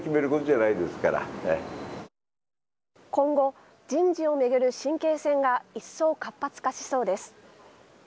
今後、人事をめぐる神経戦が一層活発化しそうです。